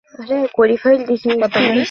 সে কি তিন লাখ টাকা দেবে?